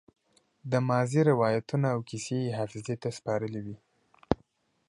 د ماضي روايتونه او کيسې يې حافظې ته سپارلې وي.